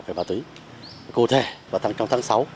về ma túy cụ thể và trong tháng sáu